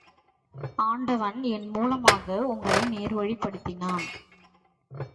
ஆண்டவன் என் மூலமாக உங்களை நேர்வழிப்படுத்தினான்.